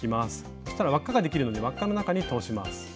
そしたら輪っかができるので輪っかの中に通します。